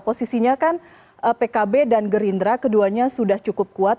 pekab dan gerindra keduanya sudah cukup kuat